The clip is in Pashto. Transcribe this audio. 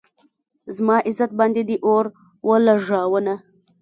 زما عزت باندې دې اور ولږاونه